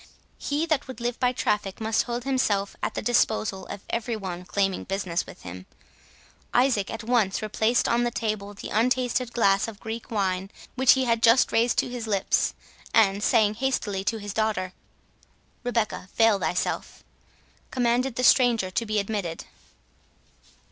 He that would live by traffic, must hold himself at the disposal of every one claiming business with him. Isaac at once replaced on the table the untasted glass of Greek wine which he had just raised to his lips, and saying hastily to his daughter, "Rebecca, veil thyself," commanded the stranger to be admitted.